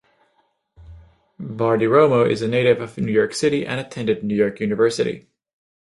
Bartiromo is a native of New York City and attended New York University.